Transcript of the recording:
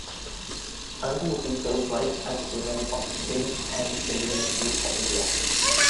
Ananthamurthy served twice as the Chairman of the Film and Television Institute of India.